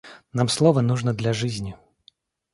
Нам слово нужно для жизни.